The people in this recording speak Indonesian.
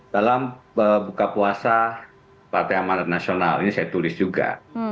dalam buka puasa partai amanat nasional ini saya tulis juga